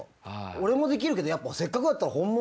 俺もできるけどやっぱせっかくだったら本物。